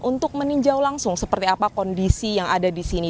untuk meninjau langsung seperti apa kondisi yang ada di sini